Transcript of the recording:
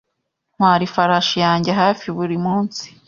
Ntwara ifarashi yanjye hafi buri munsi.